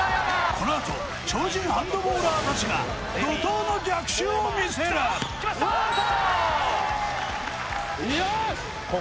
このあと超人ハンドボーラーたちが怒濤の逆襲をみせるきましたアウト！